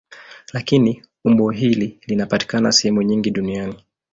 Lakini umbo hili linapatikana sehemu nyingi duniani.